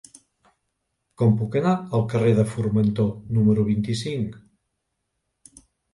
Com puc anar al carrer de Formentor número vint-i-cinc?